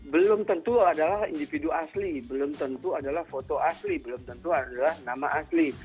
belum tentu adalah individu asli belum tentu adalah foto asli belum tentu adalah nama asli